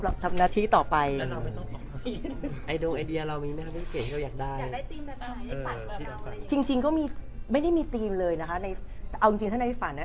เอาจริงจะในฝั่นได้